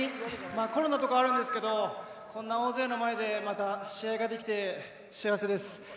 コロナとかあるんですけどこんな大勢の前でまた試合ができて幸せです。